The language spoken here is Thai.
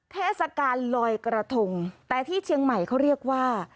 เทศกาลลอยกระทงแต่ที่เชียงใหม่เขาเรียกว่า